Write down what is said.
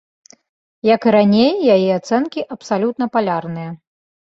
Як і раней, яе ацэнкі абсалютна палярныя.